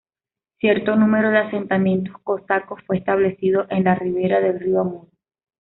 Cierto número de asentamientos cosacos fue establecido en la ribera del río Amur.